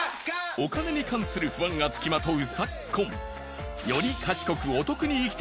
お金に関する不安が付きまとう